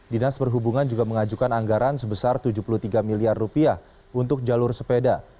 dinas perhubungan juga mengajukan anggaran sebesar tujuh puluh tiga miliar rupiah untuk jalur sepeda